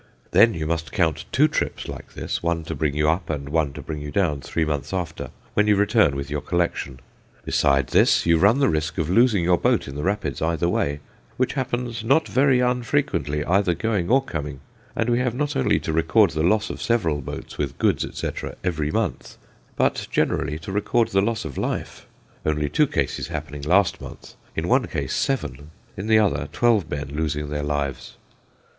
Then you must count two trips like this, one to bring you up, and one to bring you down three months after, when you return with your collection. Besides this, you run the risk of losing your boat in the rapids either way, which happens not very unfrequently either going or coming; and we have not only to record the loss of several boats with goods, etc., every month, but generally to record the loss of life; only two cases happening last month, in one case seven, in the other twelve men losing their lives.